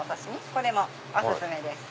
これもお薦めです。